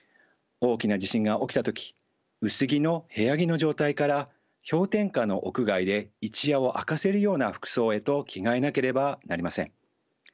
大きな地震が起きた時薄着の部屋着の状態から氷点下の屋外で一夜を明かせるような服装へと着替えなければなりません。